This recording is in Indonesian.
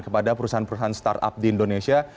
kepada perusahaan perusahaan startup di indonesia